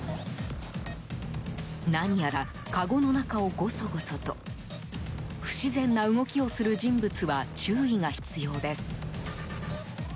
何やら、かごの中をゴソゴソと不自然な動きをする人物は注意が必要です。